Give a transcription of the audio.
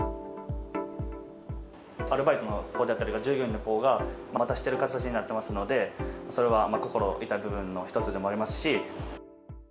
アルバイトの子であったりとか、従業員の子が、待たせている形になってますので、それは心痛い部分の一つでもありますし。